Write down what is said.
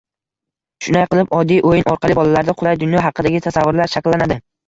Shunday qilib, oddiy o‘yin orqali bolalarda qulay dunyo haqidagi tasavvurlar shakllanadi.